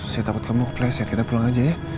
saya takut kamu kepleset kita pulang aja ya